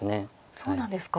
そうなんですか。